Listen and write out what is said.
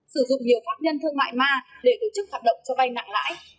sử dụng nhiều pháp nhân thương mại ma để tổ chức hoạt động cho vay nặng lãi